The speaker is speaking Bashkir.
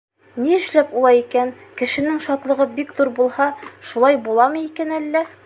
Ни эшләп улай икән, кешенең шатлығы бик ҙур булһа, шулай буламы икән әллә?